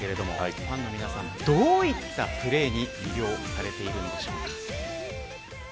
ファンの皆さんどういったプレーに魅了されているんでしょうか。